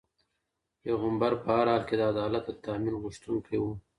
پيغمبر په هر حال کي د عدالت د تامین غوښتونکی و.